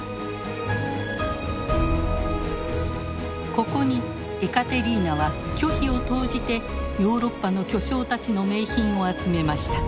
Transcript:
ここにエカテリーナは巨費を投じてヨーロッパの巨匠たちの名品を集めました。